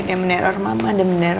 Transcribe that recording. dimenim dulu matanya